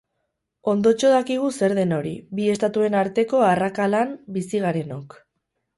Ondotxo dakigu zer den hori, bi estatuen arteko arrakalan bizi garenok.